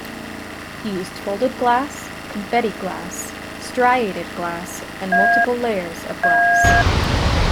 He used folded glass, confetti glass, striated glass, and multiple layers of glass.